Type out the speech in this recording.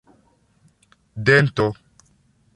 dento